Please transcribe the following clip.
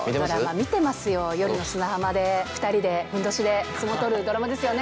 見てますよ、夜の砂浜で、２人でふんどしで相撲取るドラマですよね。